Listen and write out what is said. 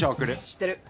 知ってる。